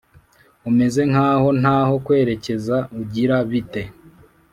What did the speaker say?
umeze nkaho ntaho kwerekeza ugira bite